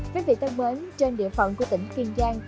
quý vị thân mến trên địa phận của tỉnh kiên giang